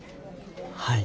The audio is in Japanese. はい。